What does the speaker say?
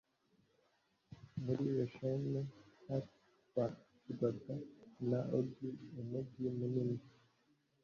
muri bashani katwarwaga na ogi umugi munini